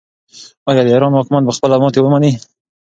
آیا د ایران واکمن به خپله ماتې ومني؟